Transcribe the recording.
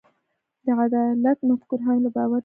د عدالت مفکوره هم له باور جوړېږي.